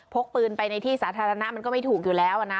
กปืนไปในที่สาธารณะมันก็ไม่ถูกอยู่แล้วนะ